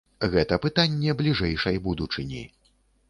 Гэта пытанне бліжэйшай будучыні.